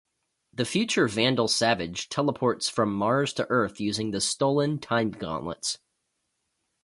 The future Vandal Savage teleports from Mars to Earth using the stolen Time-Gauntlets.